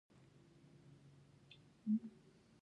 مېز د ملګرو تر منځ ګډ کار ته زمینه برابروي.